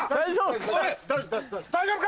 大丈夫か？